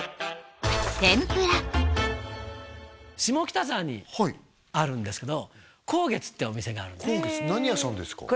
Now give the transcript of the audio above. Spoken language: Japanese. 下北沢にあるんですけど晃月ってお店があるんです